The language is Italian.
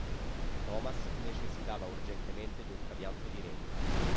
Tomas necessitava urgentemente di un trapianto di reni.